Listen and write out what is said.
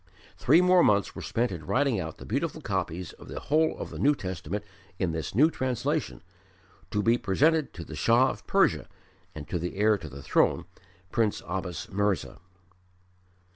Three more months were spent in writing out very beautiful copies of the whole of the New Testament in this new translation, to be presented to the Shah of Persia and to the heir to the throne, Prince Abbas Mirza.